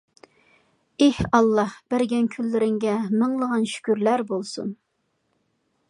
ئېھ ئاللاھ، بەرگەن كۈنلىرىڭگە مىڭلىغان شۈكۈرلەر بولسۇن!